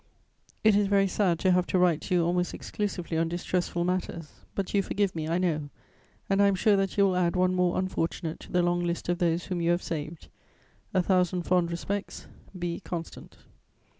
It is very sad to have to write to you almost exclusively on distressful matters; but you forgive me, I know, and I am sure that you will add one more unfortunate to the long list of those whom you have saved. "A thousand fond respects. "B. CONSTANT.